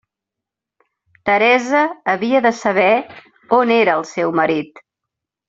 Teresa havia de saber on era el seu marit.